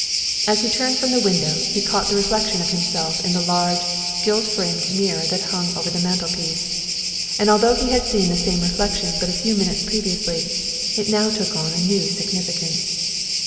As he turned from the window he caught the reflection of himself in the large gilt framed mirror that hung over the mantelpiece, and although he had seen the same reflection but a few minutes previously it now took on a new significance.